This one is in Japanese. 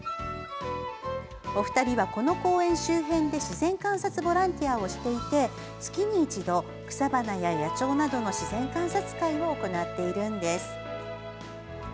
お二人は、この公園周辺で自然観察ボランティアをしていて月に一度、草花や野鳥などの自然観察会を行っているんです。